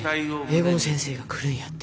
英語の先生が来るんやって。